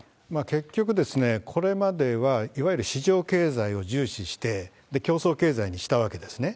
結局、これまでは、いわゆる市場経済を重視して、競争経済にしたわけですね。